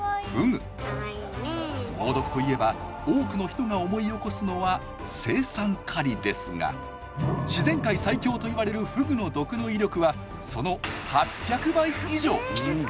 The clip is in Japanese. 猛毒といえば多くの人が思い起こすのは「青酸カリ」ですが自然界最強と言われるフグの毒の威力はその８００倍以上！